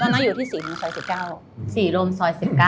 แล้วนั้นอยู่ที่๔ลมสอย๑๙